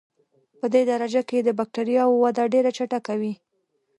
پدې درجه کې د بکټریاوو وده ډېره چټکه وي.